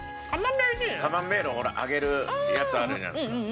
カマンベールを揚げるやつあるじゃないですか。